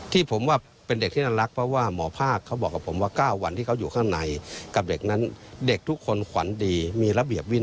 ที่ผมว่าเป็นเด็กที่น่ารักเพราะว่าหมอภาคเขาบอกกับผมว่า๙วันที่เขาอยู่ข้างในกับเด็กนั้นเด็กทุกคนขวัญดีมีระเบียบวิน